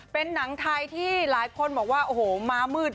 เป็นหนังไทยที่หลายคนบอกมามืด